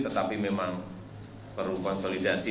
tetapi memang perlu konsolidasi